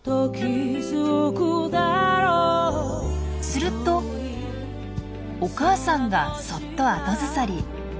するとお母さんがそっと後ずさり。